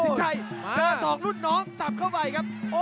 เดี๋ยวอีกสองรุ่นน้องสับเขาไปครับ